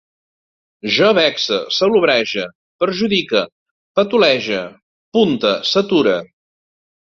Jo vexe, salobrege, perjudique, parlotege, punte, sature